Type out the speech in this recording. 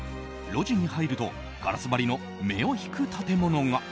路地に入るとガラス張りの目を引く建物が。